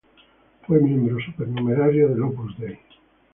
Fue miembro supernumerario del Opus Dei.